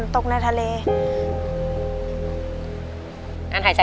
เธอคนไว้อยู่ที่ด้านนี้ไหม